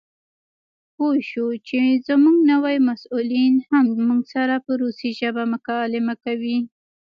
پوه شوو چې زموږ نوي مسؤلین هم موږ سره په روسي ژبه مکالمه کوي.